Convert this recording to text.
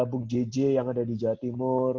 bung jj yang ada di jawa timur